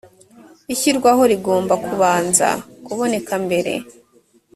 ishyirwaho rigomba kubanza kuboneka mbere